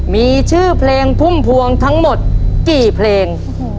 มีชื่อเพลงพุ่มพวงทั้งหมดกี่เพลง